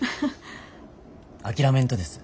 諦めんとです